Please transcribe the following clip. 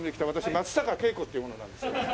松坂慶子っていう者なんですけど。